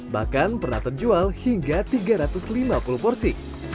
bahkan pernah terjual hingga tiga ratus lima puluh porsi